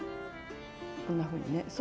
こんなふうにね。